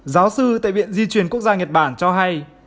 giáo sư tại viện di chuyển quốc gia nhật bản cho hay